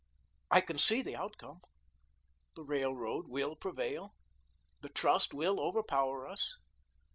"I can see the outcome. The Railroad will prevail. The Trust will overpower us.